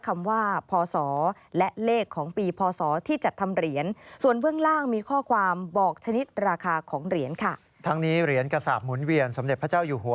ของเหรียญค่ะทั้งนี้เหรียญกระสาปหมุนเวียนสมเด็จพระเจ้าอยู่หัว